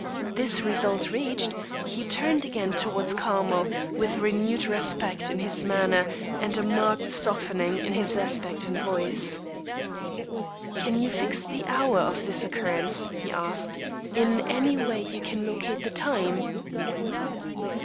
This result reached, he turned again towards Carmel, with renewed respect in his manner and a marked softening in his aspect and voice. "Can you fix the hour of this occurrence?" he asked. "In any way can you locate the time?"